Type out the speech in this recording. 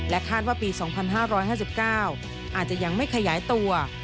คาดว่าปี๒๕๕๙อาจจะยังไม่ขยายตัว